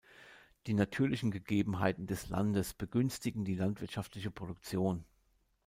Die natürlichen Gegebenheiten des Landes begünstigen die landwirtschaftliche Produktion.